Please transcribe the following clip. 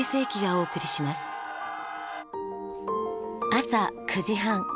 朝９時半。